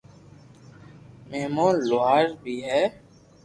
مسمان لوھار بي ھي